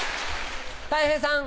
たい平さん。